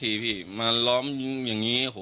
สรรพิธีพี่มาล้อมอย่างงี้โอ้โห